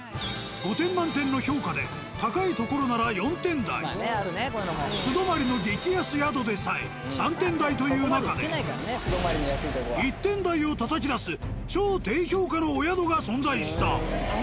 ５点満点の評価で高いところなら４点台素泊まりの激安宿でさえ３点台という中で１点台をたたき出す超低評価のお宿が存在した。